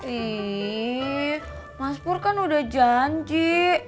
ih mas pur kan udah janji